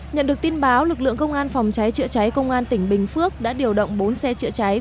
nhận được tin báo lực lượng công an phòng cháy chữa cháy công an tỉnh bình phước đã điều động bốn xe chữa cháy